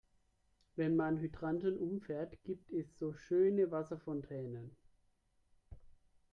Wenn man Hydranten umfährt, gibt es so schöne Wasserfontänen.